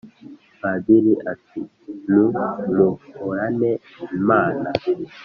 padiri, ati "numuhorane imana!"